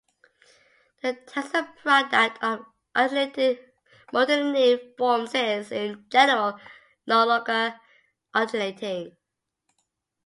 The tensor product of alternating multilinear forms is, in general, no longer alternating.